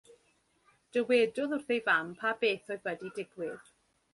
Dywedodd wrth ei fam pa beth oedd wedi digwydd.